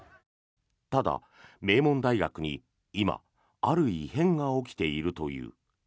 ただ、名門大学に今、ある異変が起きているという。